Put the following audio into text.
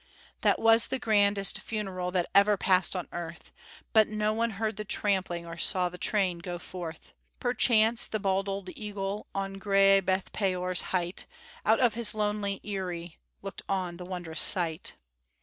"That was the grandest funeral That ever passed on earth; But no one heard the trampling, Or saw the train go forth, Perchance the bald old eagle On gray Bethpeor's height, Out of his lonely eyrie Looked on the wondrous sight."